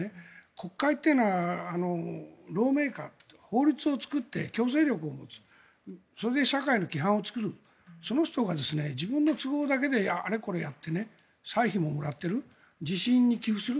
国会というのはローメーカー法律を作って強制力を持つそれで社会の規範を作るその人が自分の都合だけであれこれやって歳費ももらっている地震に寄付する